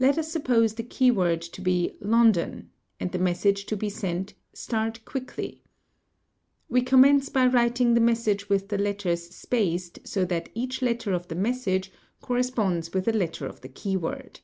Let us suppose the key word to be "london" and the message to be sent " start quickly"'. We commence by writing the message with the letters spaced so that each letter of the message corresponds with a letter of the key word.